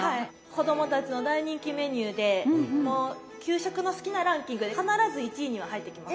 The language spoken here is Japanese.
子供たちの大人気メニューでもう給食の好きなランキングで必ず１位には入ってきます。